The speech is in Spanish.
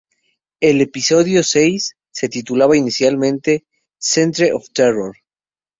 El episodio seis se titulaba inicialmente "Centre of Terror".